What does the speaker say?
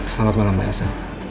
selamat malam ma elsa